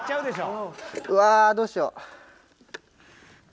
うわあどうしよう。